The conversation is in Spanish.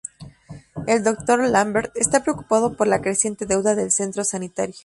El Doctor Lambert está preocupado por la creciente deuda del centro sanitario.